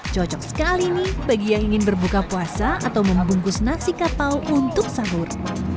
cocok sekali nih bagi yang ingin berbuka puasa atau membungkus nasi kapau untuk sahur